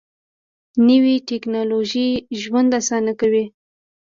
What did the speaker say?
نوې ټیکنالوژي ژوند اسانه کوي